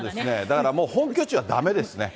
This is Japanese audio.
だからもう、本拠地はだめですね。